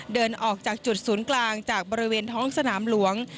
เดินออกจากจุดศูนย์กลางจากบริเวณท้องสนามหลวง